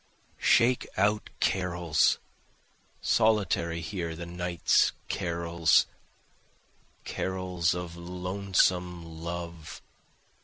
Shake out carols! Solitary here, the night's carols! Carols of lonesome love!